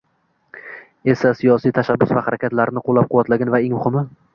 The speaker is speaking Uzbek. esa siyosiy tashabbus va harakatlarni qo‘llab-quvvatlagan va eng muhimi